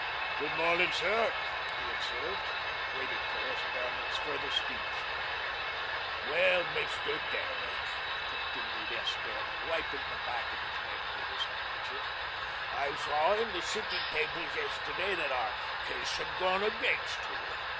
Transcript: "Good morning, sir," he observed, and waited for S. Behrman's further speech. "Well, Mr. Derrick," continued S. Behrman, wiping the back of his neck with his handkerchief, "I saw in the city papers yesterday that our case had gone against you."